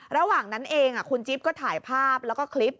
ระหว่างนั้นเองคุณจิ๊บก็ถ่ายภาพแล้วก็คลิป